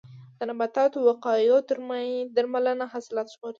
د نباتاتو وقایوي درملنه حاصلات ژغوري.